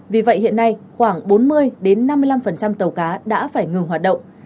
vì vậy hiện nay khoảng bốn mươi năm mươi năm tàu cá đã phải ngừng hoạt động